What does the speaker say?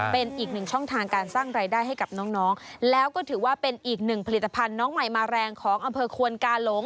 เป็นอีกหนึ่งช่องทางการสร้างรายได้ให้กับน้องแล้วก็ถือว่าเป็นอีกหนึ่งผลิตภัณฑ์น้องใหม่มาแรงของอำเภอควนกาหลง